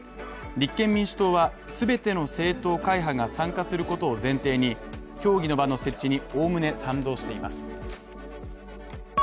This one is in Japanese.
立憲民主党は、全ての政党会派が参加することを前提に協議の場の設置におおむね賛同しています。